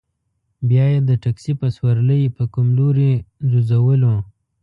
بیا یې د تکسي په سورلۍ په کوم لوري ځوځولو.